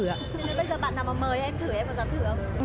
thế bây giờ bạn nào mà mời em thử em có dám thử không